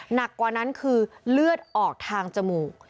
หนักกว่านั้นคือเลือดออกทางจมูก